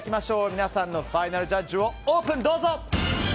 皆さんのファイナルジャッジをオープン！